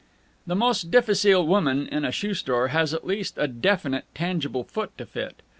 The most difficile woman in a shoe store has at least a definite, tangible foot to fit.